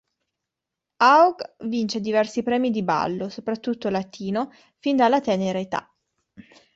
Hough vince diversi premi di ballo, soprattutto latino, fin dalla tenera età.